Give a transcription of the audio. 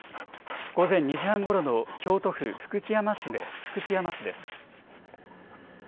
午前２時半ごろの京都府福知山市です。